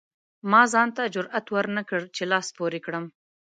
ما ځان ته جرئت ورنکړ چې لاس پورې کړم.